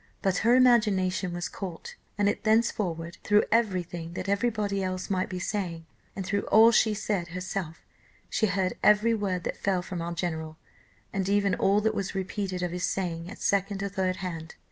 But, her imagination was caught, and it thenceforward through every thing that every body else might be saying, and through all she said herself, she heard every word that fell from our general, and even all that was repeated of his saying at second or third hand.